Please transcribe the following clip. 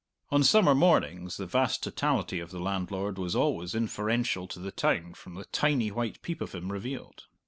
(On summer mornings the vast totality of the landlord was always inferential to the town from the tiny white peep of him revealed.)